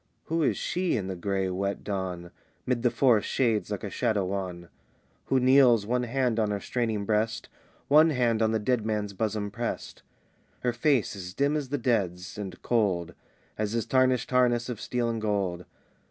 Who is she in the gray, wet dawn, 'Mid the forest shades like a shadow wan? Who kneels, one hand on her straining breast, One hand on the dead man's bosom pressed? Her face is dim as the dead's; and cold As his tarnished harness of steel and gold.